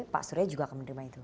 pak surya juga akan menerima itu